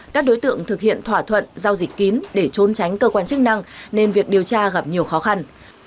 các đối tượng thực hiện thỏa thuận giao dịch kín để trốn tránh cơ quan chức năng nên việc điều tra gặp nhiều khó khăn